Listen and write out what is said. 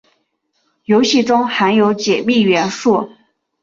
游戏中含有解密元素。